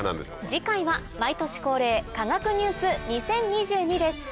次回は毎年恒例「科学ニュース２０２２」です。